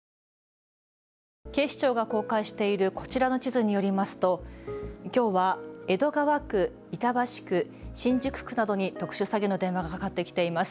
警視庁が公開しているこちらの地図によりますときょうは江戸川区、板橋区、新宿区などに特殊詐欺の電話がかかってきています。